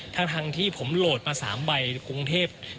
ทั้งที่ผมโหลดมา๓ใบกรุงเทพ